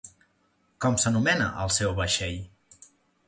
Com s'anomena el seu vaixell?